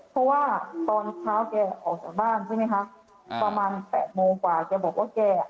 เพราะว่าตอนเช้าแกออกจากบ้านใช่ไหมคะประมาณแปดโมงกว่าแกบอกว่าแกอ่ะ